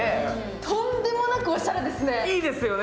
とんでもなくおしゃれですよね。